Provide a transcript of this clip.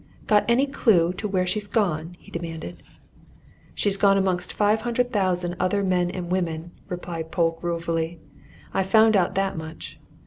"Got any clue to where she's gone?" he demanded. "She's gone amongst five hundred thousand other men and women," replied Polke ruefully. "I've found out that much.